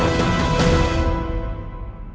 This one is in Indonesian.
siapa kamu sebenarnya